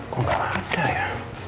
kok gak ada ya